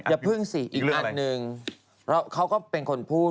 อย่าพึ่งสิอีกเรื่องอะไรอีกอันหนึ่งเขาก็เป็นคนพูด